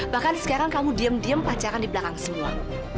bahkan sekarang kamu diem diem pacaran di belakang semua